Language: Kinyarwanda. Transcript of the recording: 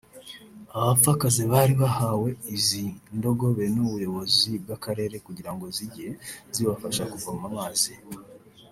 Aba bapfakazi bari bahawe izi ndogobe n’ubuyobozi bw’akarere kugira ngo zijye zibafasha kuvoma amazi